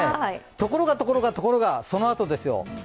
ところがところがところがそのあとですよ。